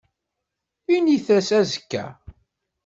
Init-as azekka.